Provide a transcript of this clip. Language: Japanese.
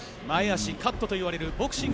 前足、カットといわれる。